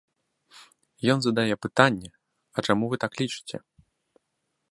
Ён задае пытанне, а чаму вы так лічыце.